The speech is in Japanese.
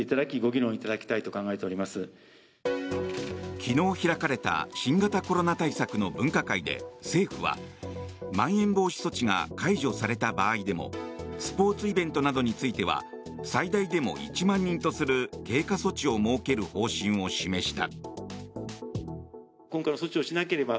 昨日開かれた新型コロナ対策の分科会で政府はまん延防止措置が解除された場合でもスポーツイベントなどについては最大でも１万人とする経過措置を設ける方針を示した。